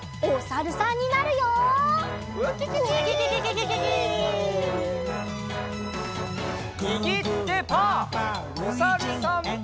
おさるさん。